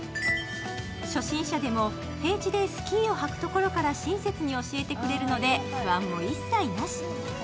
初心者でも平地でスキーを履くところから親切に教えてくれるので不安も一切なし。